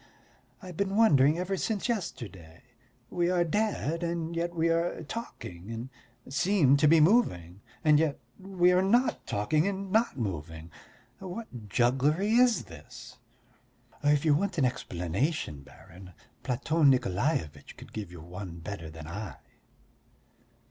I've been wondering ever since yesterday. We are dead and yet we are talking and seem to be moving and yet we are not talking and not moving. What jugglery is this?" "If you want an explanation, baron, Platon Nikolaevitch could give you one better than I."